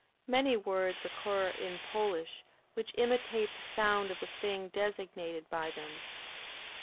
Many words occur in Polish which imitate the sound of the thing designated by them.